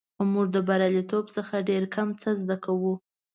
موږ د بریالیتوب څخه ډېر کم څه زده کوو.